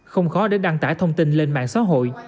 không khó để đăng tải thông tin lên mạng xã hội